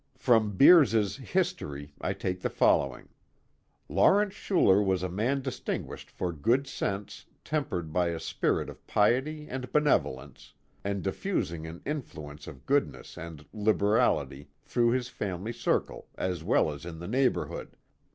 Frum Becrs's History I take the following; Lawrence Schulfr was a man distinguished for <;ood sense, tem pered hy a s|)irii of |iicl> and benevolence, and diffusinjj jn inrh: ence of goodness and liberality through his family circle as well as ill the neighborhood.